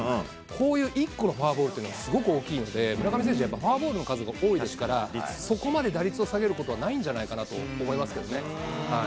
こういう１個のフォアボールっていうのが、すごく大きいので、村上選手、やっぱりフォアボールの数が多いので、そこまで打率を下げることはないと思いますけどね。